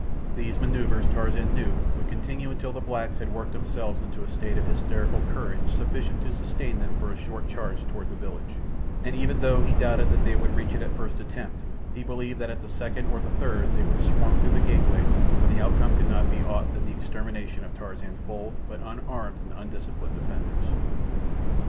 These manoeuvres Tarzan knew would continue until the blacks had worked themselves into a state of hysterical courage sufficient to sustain them for a short charge toward the village, and even though he doubted that they would reach it at the first attempt, he believed that at the second or the third they would swarm through the gateway, when the outcome could not be aught than the extermination of Tarzan's bold, but unarmed and undisciplined, defenders.